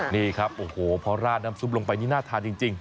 นี่ครับโอ้โหพอราดน้ำซุปลงไปนี่น่าทานจริง